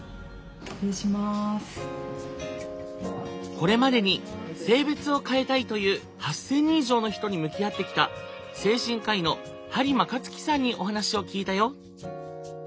これまでに性別を変えたいという８，０００人以上の人に向き合ってきた精神科医の針間克己さんにお話を聞いたよ。